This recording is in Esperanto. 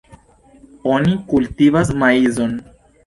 Oni kultivas maizon.